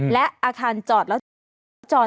และอาคารจอดแล้วจอน